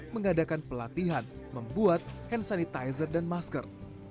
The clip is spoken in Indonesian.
mengadakan pelatihan membuat hand sanitizer dan masker